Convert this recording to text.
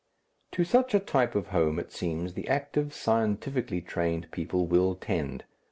To such a type of home it seems the active, scientifically trained people will tend.